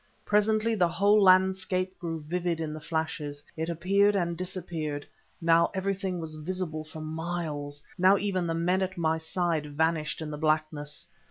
Presently the whole landscape grew vivid in the flashes, it appeared and disappeared, now everything was visible for miles, now even the men at my side vanished in the blackness.